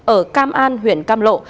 ở cam an huyện cam lộ